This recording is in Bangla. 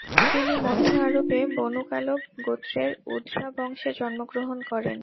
তিনি মধ্য আরবে বনু-কালব গোত্রের উধ্রা বংশে জন্ম গ্রহণ করেন।